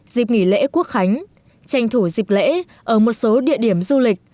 dịp nghỉ lễ quốc khánh tranh thủ dịp lễ ở một số địa điểm du lịch